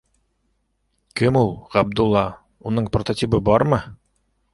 Кем ул Ғабдулла, уның прототибы бармы?